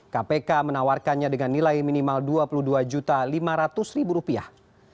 kpk menawarkannya dengan nilai minimal dua puluh dua lima ratus rupiah